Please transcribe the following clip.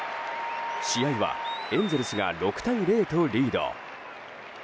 試合はエンゼルスが６対０とリード。